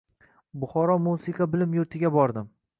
Buxoro musiqa bilim yurtiga bordim.